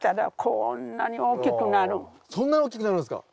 そんなに大きくなるんですか？